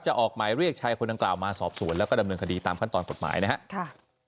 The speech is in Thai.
ออกหมายเรียกชายคนดังกล่าวมาสอบสวนแล้วก็ดำเนินคดีตามขั้นตอนกฎหมายนะครับ